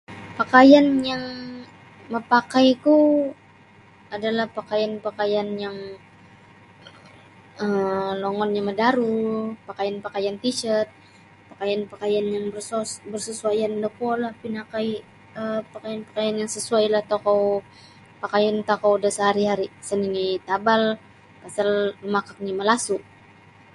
Pakaian yang mapakaiku adalah pakaian-pakaian yang um longonnyo madaru pakaian-pakaian t shirt pakaian-pakaian yang bersos bersesuaian da kuolah pinakai yang pakaian-pakaian yang sesuai tokou pakayun tokou da sehari-hari isa nini tabal pasal makak nini malasu.